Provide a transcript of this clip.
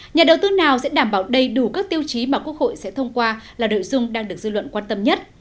nhà đầu tư nào sẽ đảm bảo đầy đủ các tiêu chí mà quốc hội sẽ thông qua là đội dung đang được dư luận quan tâm nhất